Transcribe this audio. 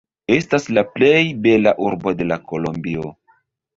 Estas la plej bela urbo de la Kolombio.